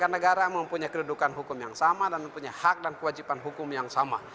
negara mempunyai kedudukan hukum yang sama dan mempunyai hak dan kewajiban hukum yang sama